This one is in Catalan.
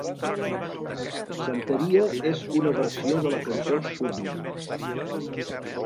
"Santeria" és una versió de la cançó Sublime.